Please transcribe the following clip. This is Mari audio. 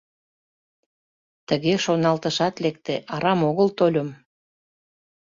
Тыге шоналтышат лекте: «Арам огыл тольым.